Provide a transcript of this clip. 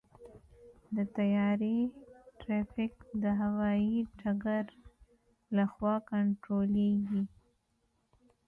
د طیارې ټرافیک د هوايي ډګر لخوا کنټرولېږي.